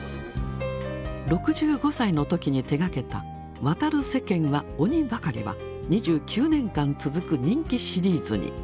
６５歳の時に手がけた「渡る世間は鬼ばかり」は２９年間続く人気シリーズに。